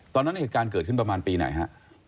ตอนนั้นเหตุการณ์เกิดขึ้นประมาณปีไหนฮะ